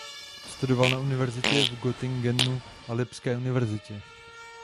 Studoval na univerzitě v Göttingenu a na Lipské univerzitě.